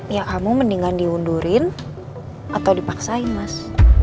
ya kamu mendingan diundurin atau dipaksain mas